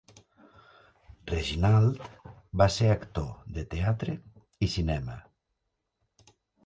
Reginald va ser actor de teatre i cinema.